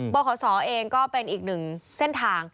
ขศเองก็เป็นอีกหนึ่งเส้นทาง